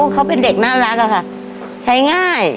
เขาเป็นเด็กน่ารักอะค่ะใช้ง่าย